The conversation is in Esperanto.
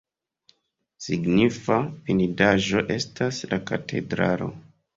Signifa vidindaĵo estas la katedralo.